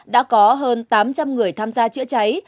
đã có hơn tám trăm linh người tham gia chữa cháy